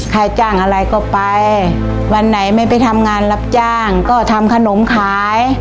ใครจ้างอะไรก็ไปวันไหนไม่ไปทำงานรับจ้างก็ทำขนมขาย